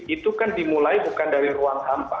itu kan dimulai bukan dari ruang hampa